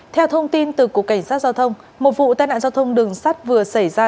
theo thông tin từ cục cảnh sát giao thông một vụ tai nạn giao thông đường sắt vừa xảy ra